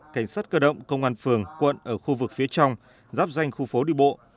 cảnh sát cơ động công an phường quận ở khu vực phía trong giáp danh khu phố đi bộ